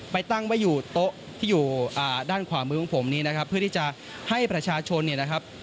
ตั้งไว้อยู่โต๊ะที่อยู่ด้านขวามือของผมนี้นะครับเพื่อที่จะให้ประชาชนเนี่ยนะครับ